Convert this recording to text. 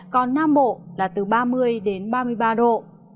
còn nam bộ là từ ba mươi đến ba mươi ba độ